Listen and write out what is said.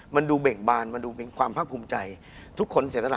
คุณผู้ชมบางท่าอาจจะไม่เข้าใจที่พิเตียร์สาร